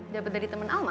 dapet dari temen alma